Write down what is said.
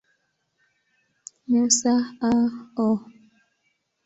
Musa, A. O.